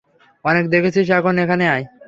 অনেক দেখেছিস এখন এখানে আয়।